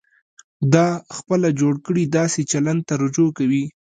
دا خپله جوړ کړي داسې چلند ته رجوع کوي.